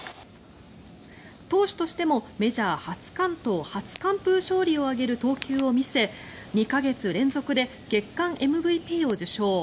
投手としてもメジャー初完投・初完封勝利を挙げる投球を見せ２か月連続で月間ＭＶＰを受賞。